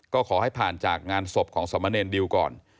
ก็ขอให้ผ่านจากงานศพของสมเนรดิวก่อน